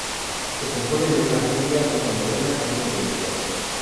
Se compone de una rubia, una morena y una pelirroja.